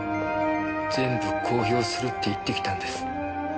全部公表するって言ってきたんです。